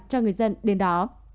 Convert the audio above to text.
cho người dân đến đó